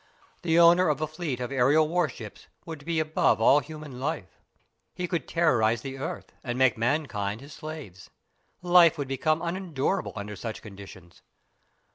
The owner of a fleet of aerial warships would be above all human law. He could terrorise the earth, and make mankind his slaves. Life would become unendurable under such conditions.